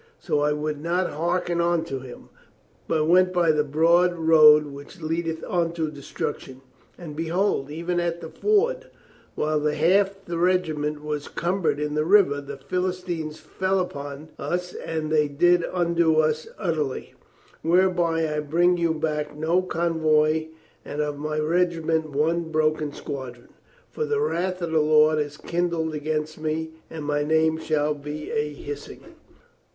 So I would not harken unto him, but went by the broad road which leadeth unto destruction. And, behold, even at the ford, while the half the regiment was cumbered in the river, the Philistines fell upon us and they did undo us utterly. Whereby I bring you back no convoy and of my regiment one broken squadron. For the wrath of the Lord is kindled against me and my name shall be a hissing."